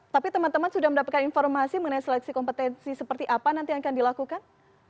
tapi teman teman sudah mendapatkan informasi mengenai seleksi kompetensi seperti apa nanti yang akan dilakukan